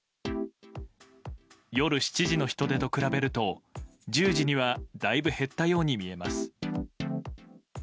夜７時の人出と比べると１０時にはだいぶ減ったように見えます。